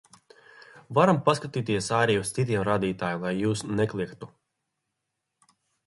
Varam paskatīties arī uz citiem rādītājiem, lai jūs nekliegtu.